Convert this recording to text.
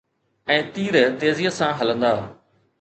۽ تير تيزيءَ سان هلندا.